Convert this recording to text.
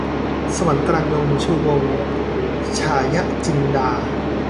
สวรรค์กลางดง - ชูวงศ์ ฉายะจินดา